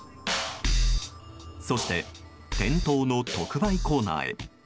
そして、店頭の特売コーナーへ。